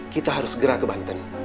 kita harus gerak ke banten